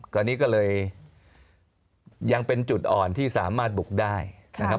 ตอนนี้ก็เลยยังเป็นจุดอ่อนที่สามารถบุกได้นะครับ